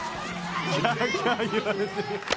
キャーキャー言われてる。